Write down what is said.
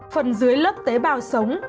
phần dưới lớp tế bào sống